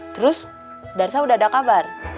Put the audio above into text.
terus darsa udah ada kabar